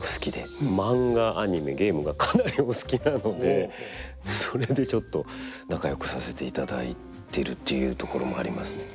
マンガアニメゲームがかなりお好きなのでそれでちょっと仲よくさせていただいてるっていうところもありますね。